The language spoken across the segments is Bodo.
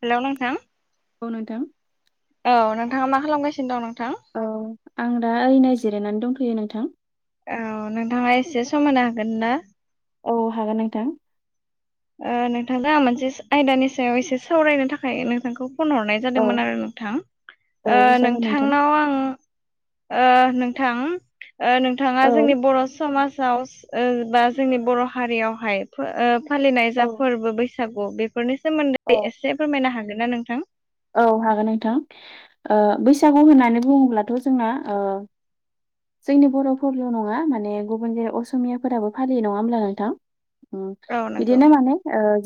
हेलौ नोंथां औ नोंथां औ नोंथाङा मा खालामगासिनो दं नों औ आं दा ओरैनो जिरायनानै दंथैयो नोंथां औ नोंथाङा एसे समायो हागोन ना औ हागोन नोंथां ओ नोंथां मोनसे आयदानि सायाव एसे सावरायनो थाखाय नोंथांखौ फन हरनाय औ जादोंमोन आरो ओ औ नोंथां जागोन नोंथां नोंथांनाव आं नोंथां नोंथाङा औ जोंनि बर' समाज बा जोंनि बर हारियावहाय फालिनाय औ जा फोरबो बैसागु बे फोरफोरनि सोमोन्दै एसे फोरमायनो हागोन ना नोंथां औ हागोन नोंथां बैसागु होननानै बुङोब्लाथ' जोंना जोंनि बर'फोरल नङा माने गुबुन जे असमियाफोराबो फालियो नङा होमब्ला नोंथां औ नंगौ। बिदिनो माने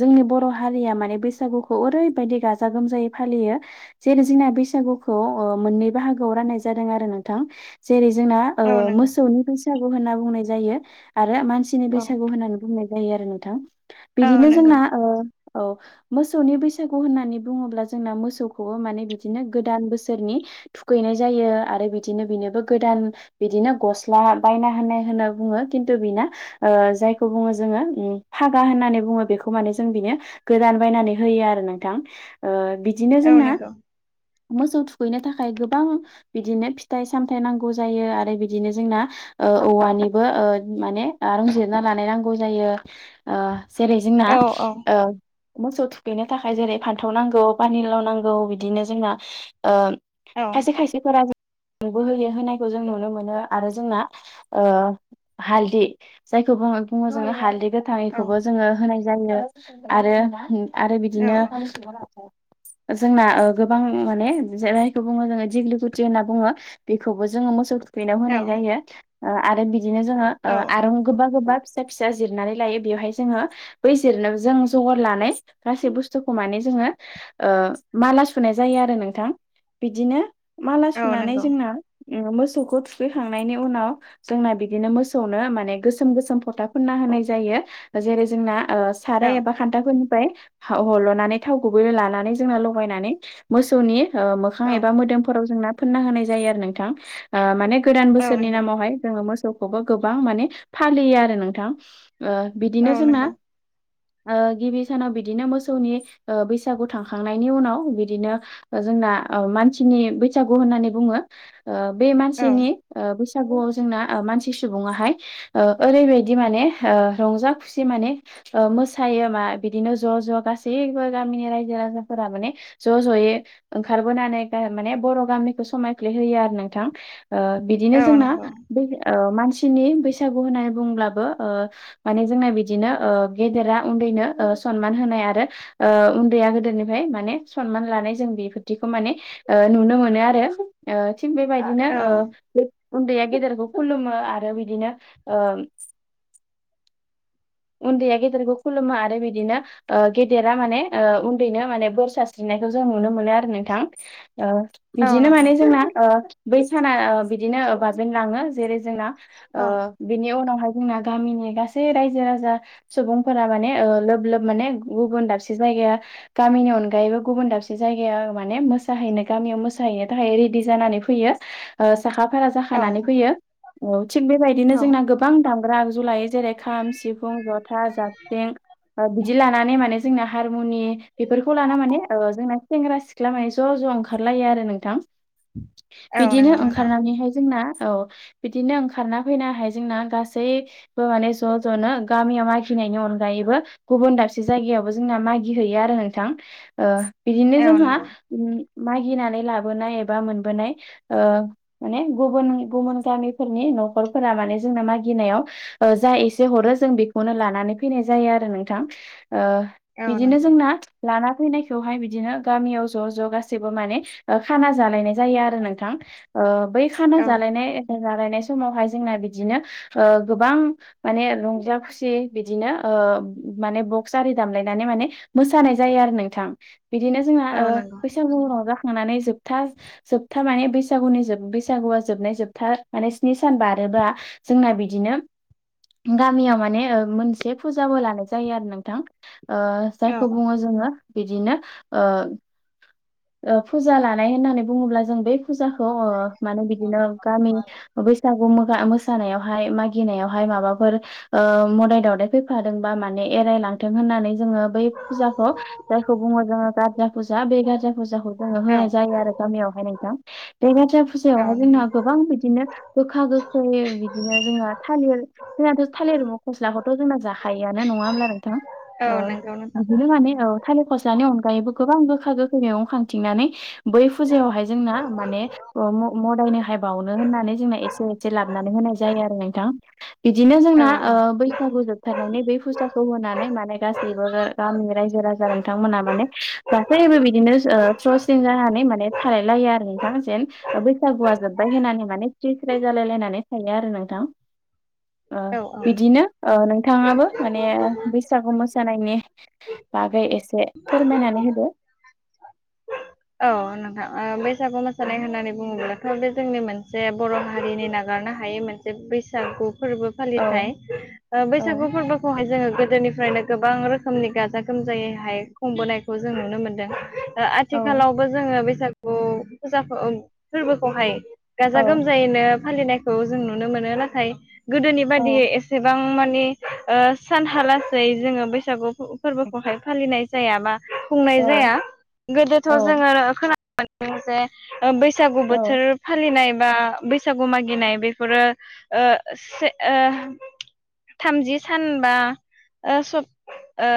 जोंनि बर' हारिया माने बैसागुखौ ओरैबायदि गाजा गोमजायै फालियो जेरै जोंना बैसागुखौ मोननै बाहागोआव राननाय जादों आरो नोंथां जेरै जोंना औ नंगौ मोसौनि बैसागु होनना बुंनाय जायो आरो मानसिनि औ बैसागु होननानै बुंनाय जायो जायो आरो नोंथां औ बिदिनो नंगौ जोंना औ मोसौनि बैसागु होननानै बुङोब्ला जों जों मोसौखौ माने बिदिनो गोदान बोसोरनि थुखैनाय जायो आरो बिदिनो बिनो गोदान बिदिनो गस्ला बायना होननाय होनना बुङो खिन्थु बिना जायखौ बुङो जोङो फागा होननानै बुङो बेखौ माने जों बिनो गोदान बायनानै होयो आरो नोंथां बिदिनो औ जोंना नंगौ मोसौ थुखैनो थाखाय गोबां बिदिनो फिथाइ सामथायाइ नांगौ जायो आरो बिदिनो जोंना औवानिबो माने रोंजिरना लानाय नांगौ जायो जेरै जोंना औ मोसौ थुखैनो थाखाय जेरै फान्थाव नांगौ पानिलाव नांगौ बिदिनो जोंना औ खायसे खायसेफोरा नुबोहयो होनायखौ जों नुनो मोनो आरो जोंना हालदि जायखौ [unintelligible] हालदै गोथां औ इखौबो जोंङो होनाय जायो आरो आरो बिदिनो [unintelligible] जोंना गोबां माने जायखौ बुंङो जोंङो दिगलि गुथि होनना बुंङो बेखौबो जोंङो मोसौ बेनाव औ होनाय औ जायो आरो बिदिनो जोङो औ आरो गोबा गोबा फिसा फिसा जिरनानै लायो बेयावहाय जोङो बै जिरनो जों जगर लनानै गासै बुस्थुखौ माने जोङो माला सुनाय जायो आरो नोंथां बिदिनो माला औ सुनानै नंगौ जोंना मोसौखौ थुखैखांनायनि उनाव जोंना बिदिनो मोसौनो माने गोसोम गोसोम फथाफोरना हो नाय जायो जेरै जोंना औ साराय एबा खान्थाफोरनिफ्राय हल'नानै थाव गुबै लानानै जों लागयनानै मोसौनि मोखां औ एबा मोदोमफोराव जोंना फोनना होनाय जायो आरो नोंथां माने गोदान औ बोसोरनि नंगौ नामावहाय जोङो मोसौ खौबो गोबां माने फालियो आरो नोंथां औ बिदिनो जोंना नंगौ गिबि सानाव बिदिनो मोसौनि बैसागुथां खांनायनि उनाव बिदिनो जोंना मानसिनि बैसागु होननानै बुङो बे औ मानसिनि बैसागुआव जोंना मानसि सुबुङाहाय ओरैबायदि माने रंजा खुसि माने मोसायो मा बिदिनो ज' ज' गासैबो गामिनि रायजो राजा फोरा माने ज' ज'यै ओंखार बोनानै माने बर' गामिखौ समायफ्लेहोयो आरो नोंथां बिदिनो औ जोंना नंगौ बे मानसि नि बैसागु होननानै बुंब्लाबो माने जोंना बिदिनो गेदेरा उन्दैनो सनमान होनाय आरो उन्दैया गोदेरनो माने सनमान लानाय जों बेफोरदिखौ माने नुनो मोनो आरो थिग बेबायदिनो औ उन्दैया गेदेरखौ खुलुमो आरो बिदिनो उन्दैया गेदेरखौ खुलुमो आरो बिदिनो गेदेरा माने उन्दैनो माने बोर सारस्रिनाय नायखौ जों नुनो मोनो आरो नोंथां औ बिदिनो नंगौ माने जोंना बै साना बिदिनो बाबेन लाङो जेरै जों औ बेनि उनावहाय जोंना गामिनि गासै रजो राजा सुबुंफोरा मान लोब लोब माने गुबुन दाबसे जायगाया गामनि अनायैबो गुब बुन दाबसे जायगायाव माने मोसाहैनो गामियाव मोसैहैनो थाखाय रेडि जानानै फैयो ओस साखा फारा औ जाखानानै फैयो ओम थिग बेबायदिनो जोंना गोबां दाम ग्रा आगजु लायो जेरै खाम सिफुं जथा जाबख्रिं ओ बेफोर बिदि लानानै माने जोंना हारमुनि बेफोरखौ लानानै माने ओ जोंना सेंग्रा सिख्ला माने ज' ज' ओंखार लायो आरो नोंथां औ बिदिनो नंगौ नोंथां ओंखारनानैहाय जोंना औ बिदिनो ओंखारना फैनो हाय जोंना गासैबो माने ज' ज'नो गामियाव मागिनायनि अनगायैबो गुबुन दाबसे जायगायावबो जोंना मागि हैैयो आरो नोंथां बिदिनो औ जोंहा नंगौ मागिनानै लाबोनाय एबा मोनबोनाय माने गुबुन गुबुन गामिफोरनि नखरफोरा माने जोंना मागिनायाव ओ जा एसे हरो जों बेखौनो लानानै फैनाय जायो आरो नोंथां औ बिदिनो नंगौ जोंना लाना फैनायखौहाय बिदिनो गामियाव ज' ज' गासैबो माने खाना जालायनाय जायो आरो नोंथां ओ बै खाना औ जालायनाय जालायनाय समावहाय जोंना बिदिनो ओ गोबां माने रंज बजा खुसि बिदिनो ओ माने बक्स आरि दामलायनानै माने मोसानाय जायो आरो नोंथां बिदिनो जोंना औ ओ नंगौ बैसागु रंजा नानै जोबथा जोबथा माने बैसागुनि बैसागुआ जोबनाय जोबथा माने स्नि सान बा आरो बा जोंना बिदिनो गा मियाव माने ओ मोनसे फुजाबो लानाय जायो आरो नोंथां औ जायखौ बुङो जोङो बिदिनो ओ ओ फुजा लानाय होननानै बुङोब्ला जों बै फुजाखौ ओ माने बिदिनो गामि बैसागु मोसानायावहाय मागिनायावहाय माबाफोर ओ मोदाय दावदाय फैफादों बा माने एरायलांथों होननानै जोङो बै फुजाखौ जायखौ बुं ओ जोङो गार्जा फुजा बे गार्जा फुजाखौ जोङो औ होनाय जायो आरो गामियावहाय नोंथां बे गार्जख औ फुजायावहाय नंगौ जोंना गोबां बिदिनो गोखा गोखै बिदिनो जोंहा थालिर जोंनाथ' थालिर म फस्लाखौथ' जोंना जाखायोआनो नङा होमब्ला नोंथां औ नंगौ नोंथां बिदिनो माने थालिर खसानि अनगायैबो गोबां गोखा गोखै मेगं खांथिंनानै बै फुजायावहाय जोंना माने ओ मो मोदायनो हाय बावनो होननानै जोंना एसे एसे लाबोनानै होनाय जायो आरो नोंथां बिदिनो औ जोंना बैसागु जोबथारनानै बे फुथाखौ होनानै माने गासैबो गामिनि रायजो राजा नोंथांमोन ना माने गासैबो बिदिनो ओ जसिन जानानै माने थालाय लायो आरो नोंथां जेन बैसागुआ जोब्बाय होननानै माने स्रि स्राय जालाय लायनानै थायो आरो नोंथां औ औ नो नोंथाङाबो माने बैसागु मोसानायनि बागै एसे फोर मायनानै होदो। औ नोंथां ओ बैसागु औ मोसानाय होननानै बुङोब्ला हो बे जोंनि मोनसे बर' हारिनि नागारनो हायै मोनसे बैसागु फोरबो औ फालिथाय ओ औ बैसागु फोरबोखौहाय जोङो गोदोनिफ्रायनो गोबां रोखोमनि गाजा गोमजायै हाय खुंबोनायखौ जों नुनो मोनदों औ आथिखालावबो जोङो बैसागु फुजाखौ अ फोरबोखौहाय औ गाजा गोमजायैनो फालिनायखौ जों नुनो मोनो नाथाय गोदोनि बायदियै औ एसेबां माने नि ओ सानहालासै जोङो बैसागु फोरबोखौहाय फालिनाय जायाबा खुंनाय औ जाया गोदोथ' औ जोङो खोनानो मोनदों जे बैसागु बोथोर फालिनाय बा बैसागु मागिनाय बेफोरो ओ से ओ थामजि सानबा ओ सब ओ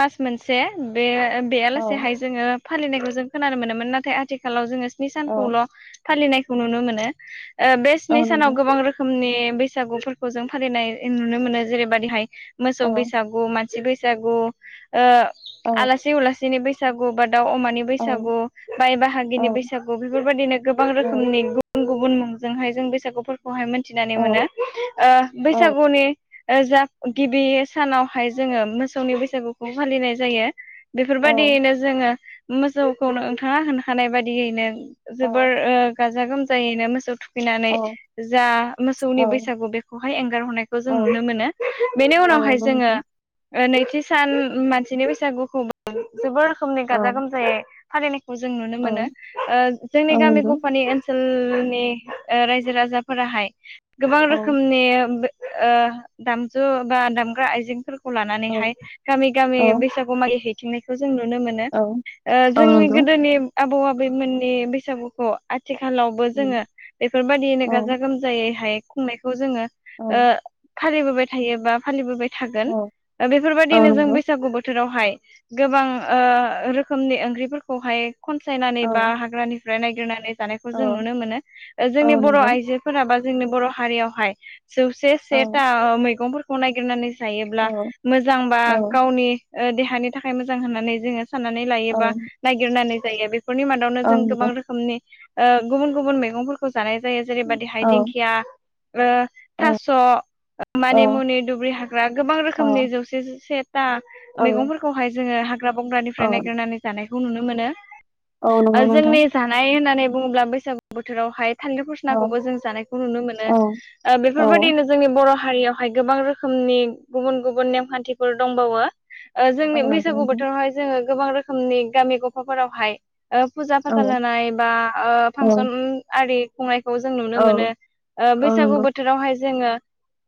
मास मोनसे बे बेल औ जोङो फालिनायखौ जों खोनानो मोनोमोन नाथाय आथिखालाव जोङो स्नि औ सानखौल' फालिनायखौ नुनो मोनो बे ओ स्नि औ सानाव नंगौ गोबां रोखोमनि बैसागुफोरखौ जों फालिनाय नुनो मोनो जेरैबादिहाय मोसौ औ बैसागु मान -सि बैसागु ओ औ आलासि उलासिनि बैसागु बाथ दाउ अमानि औ बैसागु बाइ बाहागिनि बैसागु बेफोरबायदिनो गोबां औ रोखोमनि गुबुन गु बुन मुंजोंहाय जों बैसागुफोरखौहाय मिन्थिनानै मोनो ओ औ बैसागुनि जा गिबि सानावहाय जोङो मोसौनि बैसागुखौ फालिनाय जायो। औ बेफोरबायदियैनो जोङो मोसौखौनो ओंथाङा होनो हानाय बायदियैनो जोबोर ओ गाजा गोमजायैनो मोसौ थु औ खैनानै जा मोसौनि बैसागु बेखौहाय एंगारहरनायखौ जों औ नुनो मोनो बेनि औ उनाव हाय नंगौ जोङो नैथि सान मानसिनि बैसागुखौ जोबोर रोखोमनि गाजा नोंथां गोमजायै फालिनाय खौ जों नुनो औ मोनो ओ जोंनि औ गामि नंगौ गफानि ओन सोलनि रायजो राजाफोराहाय गोबां औ रोखोमनि ओ दामजु बा दामग्रा आइजेंफोर खौ औ लानानैहाय गामि गामि औ बैसागु मागि हैथिंनायखौ जों नुनो मोनो औ ओ औ जोंनि नंगौ गोदोनि आबौ आबैमोननि बैसागुखौ आ थिखालावबो उम जोङो बेफोरबायदिनो औ गाजा गोमजायै हाय खुंनाय खौ जोङो ओ औ फालिबोबाय थायो बा फालिबोबाय थागोन औ औ बेफोरबायदिनो जों नंगौ बैसागु बोथोरावहाय गोबां ओ रोखोमनि ओंख्रिफोरखौहाय खनसायनानै औ बा हाग्रानिफ्राय नायगिरनानै जानायखौ औ जों नुनो मोनो औ जोंनि बर' नंगौ आइजोफोरा बा जोंनि बर' हारियावहाय जौसे औ सेथा मैगंफोरखौ नायगिरनानै जायोब्ला औ मोजांबा गावनि देहानि थाखाय मोजां होननानै जोङो साननानै लायो औ बा नागिरनानै जायो बे फोरनि मादावनो जों गोबां नंगौ रोखोमनि ओ गुबुन गुबुन मैगंफोरखौ जानाय जायो जेरैबायादिहाय औ दिंखिया ओ औ थास' औ मानि मुनि दुब्रि हाग्रा गोबां औ रोखोमनि जौसे से था औ मैगंफोरखौहाय जोङो हाग्रा औ बंग्रानिफ्राय नायगिरनानै जानायखौ नुनो मोनो। औ नंगौ ओ नोंथां जोंनि जानाय होननानै बुङोब्ला बैसागु बोथोरावहाय थालिर औ फसनाखौबो जों जानायखौ नुनो मोनो औ ओ औ बेफोरबायदिनो जोंनि बर' हारियावहाय गोबां रोखोमनि गुबुन गुबुन नेमखान्थिफोर दंबावो। ओ औ जोंनि नंगौ बैसागु नोंथां बोथोरावहाय जोङो गोबां रोखोमनि गामि गफाफोरावहाय ओ फुजा औ फाथाल होनाय बा ओ औ फांसन आरि खुंनाय खौ जों नुनो औ मोनो ओ औ बैसागु नंगौ बोथोरावहाय जोङो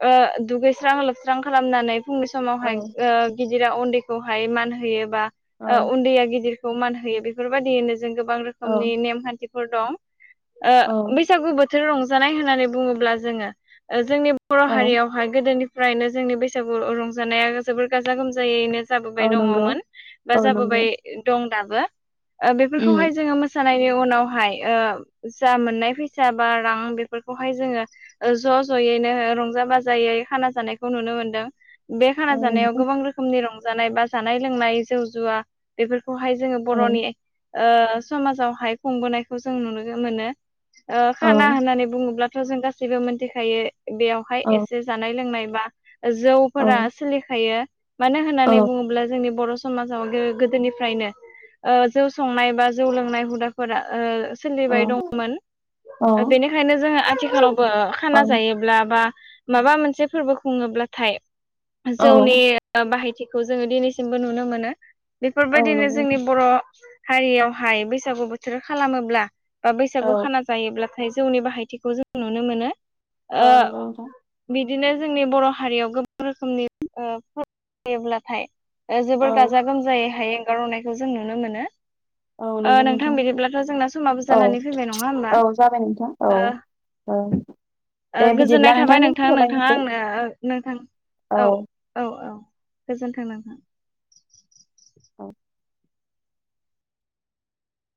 ओ दुगैस्रां लोबस्रां खालामनानै फुंनि औ समावहाय ओ गिदिरा उन्दैखौहाय मान होयो बा औ उन्दैया गिदिरखौ मान होयो बेफोरबायदियैनो जों गोबां औ रोखोमनि नेमखान्थिफोर दं औ ओ बैसागु बो थोर रंजानाय होननानै बुङोब्ला जोङो ओ जोंनि बर' औ हारियावहाय गोदोनि फ्रायनो जोंनि बैसागु रंजानाया जोबोर गाजा गोमजायैनो जाबोबाय औ नंगौ दङमोन। बा औ नंगौ जाबोबाय दं दाबो उम बेफोरखौहाय जोङो मो होनायनि उनावहाय ओ जा मोननाय फैसा बा रां बेफोरखौहाय जोङो ज' ज' ज'यैनो रंजा बाजायै खाना जानायखौ नुनो मोनदों बे खाना औ जानायाव नंगौ गोबां रोखोमनि रंजानाय बा जानाय लोंनाय जौ जुवा बेफोर खौहाय जोङो औ बर'नि समाजावहाय खुंबोनायखौ जों नुनो मोनो। ओ औ खाना होननानै बुङोब्लाथ' जों गासैबो मोनथिखायो बेयावहाय औ एसे जानाय लोंनाय बा जौफोरा सोलिखायो मानो औ होननानै बुङोब्ला जोंनि बर' समाज गो-गोदोनिफ्रायनो औ जौ संनाय बा जौ लोंनाय हुदाफोरा ओ औ सोलिबाय दंमोन औ बेनिखायनो जोङो आथिखालावबो ओ खाना जायोब्ला बा माबा मोनसे फोरबो खुङोब्लाथाय जौनि बाहाय खौ जोङो दिनैसिमबो नुनो मोनो। औ बेफोरबायदिनो नंगौ औ जोंनि बर' हारियावहाय बैसागु बोथोर खालामोब्ला बा बैसागु खाना जायोब्लाथाय जौनि बाहायथिखौ जों नुनो मोनो। औ ओ नोंगौ नोंथां। बिदिनो जोंनि बर' हारियाव गोबां रोखोमनि ओ [unintelligible] ब्लाथाय जोबोर औ गाज्रि खोम जायै हाय एंगारनायखौ जों नुनो मोनो। औ ओ नंगौ नोंथां बिदिब्लाथ' जोंना समाबो औ जानानै फैबाय नङा होमबा? औ जाबाय नोंथां औ ओ औ। ओ दे गोजोननाय बिदिब्ला थाबाय नोंथां नोंथाङा दोनथ'लायनोसै आंनो नोंथां औ औ औ गोजोनथों नोंथां। औ